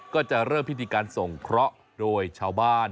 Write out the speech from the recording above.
ก็จะเริ่มพิธีการส่งเคราะห์โดยชาวบ้าน